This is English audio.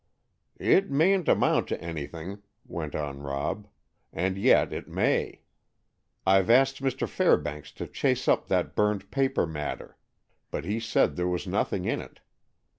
"It mayn't amount to anything," went on Rob, "and yet, it may. I've asked Mr. Fairbanks to chase up that burned paper matter, but he said there was nothing in it.